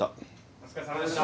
お疲れさまでした。